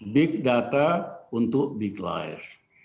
big data untuk big life